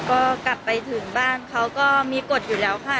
ก็กลับไปถึงบ้านเขาก็มีกฎอยู่แล้วค่ะ